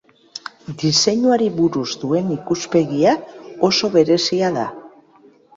Diseinuari buruz duen ikuspegia oso berezia da.